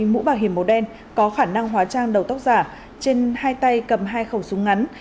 một mũ bảo hiểm màu đen có khả năng hóa trang đầu tóc giả trên hai tay cầm hai khẩu súng ngắn